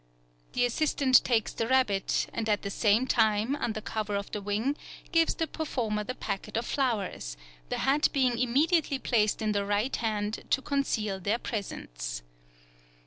The assistant takes the rabbit, and at the same time, under cover of the wing, gives the performer the packet of flowers; the hat being immediately placed in the right hand to conceal their presence.